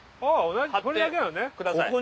はい。